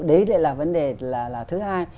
đấy là vấn đề thứ hai